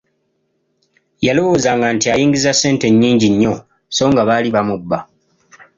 Yalowoozanga nti ayingiza ssente nnyingi nnyo, sso nga baali bamubba.